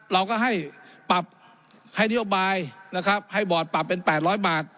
เราก็ให้ปรับให้นะครับให้บอร์ดปรับเป็นแปดร้อยบาท